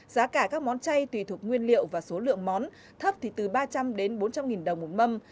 giá cả các món chay tùy thuộc nguyên liệu và số lượng món thấp thì từ ba trăm linh đến bốn trăm linh nghìn đồng một mâm